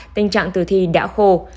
tình trạng từ thi đã khô